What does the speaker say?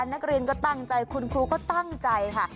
นักเรียนก็ตั้งใจคุณครูก็ตั้งใจค่ะ